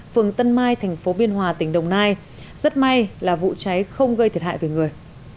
phường tân mai thành phố biên hòa tỉnh đồng nai rất may là vụ cháy không gây thiệt hại về người